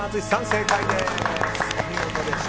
正解です。